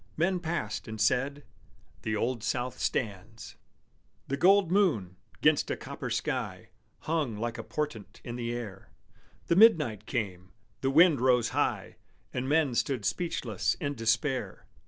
Men passed, and said, "The Old South stands!" The gold moon, 'gainst a copper sky, Hung like a portent in the air, The midnight came, the wind rose high, And men stood speechless in despair.